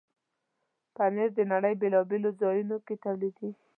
پنېر د نړۍ بیلابیلو ځایونو کې تولیدېږي.